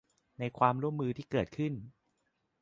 ในความร่วมมือที่เกิดขึ้น